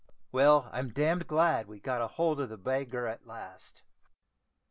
Well, I'm damned glad we've got hold of the beggar at last."